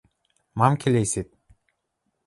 Мам келесет?